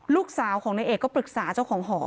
ลูกสาวของนายเอกก็ปรึกษาเจ้าของหอ